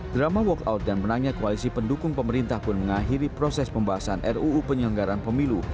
drama walkout dan menangnya koalisi pendukung pemerintah pun mengakhiri proses pembahasan ruu penyelenggaran pemilu